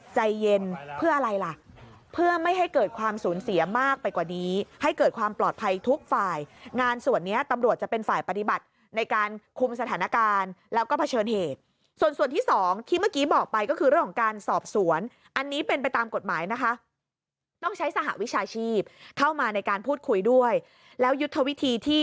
ใจเย็นเพื่ออะไรล่ะเพื่อไม่ให้เกิดความสูญเสียมากไปกว่านี้ให้เกิดความปลอดภัยทุกฝ่ายงานส่วนนี้ตำรวจจะเป็นฝ่ายปฏิบัติในการคุมสถานการณ์แล้วก็เผชิญเหตุส่วนส่วนที่สองที่เมื่อกี้บอกไปก็คือเรื่องของการสอบสวนอันนี้เป็นไปตามกฎหมายนะคะต้องใช้สหวิชาชีพเข้ามาในการพูดคุยด้วยแล้วยุทธวิธีที่